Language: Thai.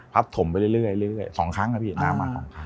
ปัดถมไปเรื่อยสองครั้งก็น้ำมาสองครั้ง